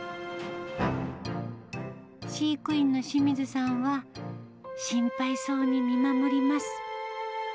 飼育員の清水さんは、心配そうに見守ります。